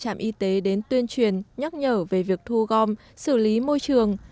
các trạm y tế đến tuyên truyền nhắc nhở về việc thu gom xử lý môi trường